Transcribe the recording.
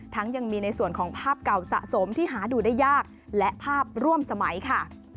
ยังมีในส่วนของภาพเก่าสะสมที่หาดูได้ยากและภาพร่วมสมัยค่ะ